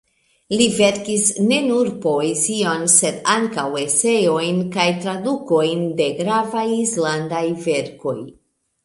Li verkis ne nur poezion sed ankaŭ eseojn kaj tradukojn de gravaj islandaj verkoj.